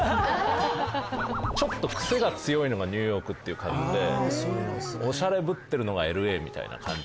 ちょっと癖が強いのがニューヨークっていう感じでオシャレぶってるのがＬＡみたいな感じ。